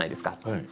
はい。